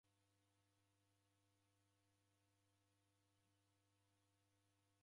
Kusekeiw'a marughu gha w'andu